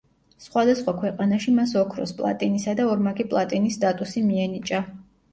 სხვადასხვა ქვეყანაში მას ოქროს, პლატინისა და ორმაგი პლატინის სტატუსი მიენიჭა.